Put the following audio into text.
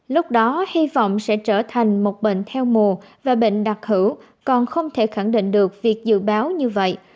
lúc đó hy vọng sẽ trở thành một bệnh theo mùa và bệnh đặc hữu còn không thể khẳng định được việc dự báo như vậy